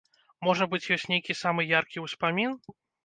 Можа быць, ёсць нейкі самы яркі успамін?